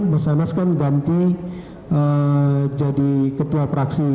mas anas kan ganti jadi ketua praksi